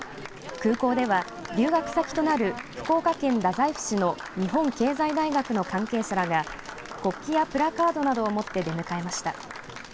空港では留学先となる福岡県太宰府市の日本経済大学の関係者らが国旗やプラカードなどを持って出迎えました。